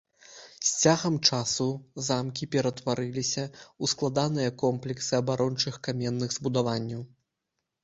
З цягам часу замкі ператварыліся ў складаныя комплексы абарончых каменных збудаванняў.